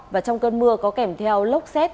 và trong cơn mưa có kèm theo lốc xét